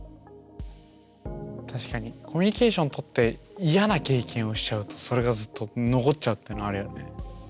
確かにコミュニケーション取って嫌な経験をしちゃうとそれがずっと残っちゃうというのはあるよね。